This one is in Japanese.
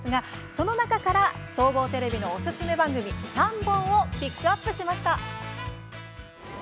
その中から総合テレビのおすすめ番組３本をピックアップしました。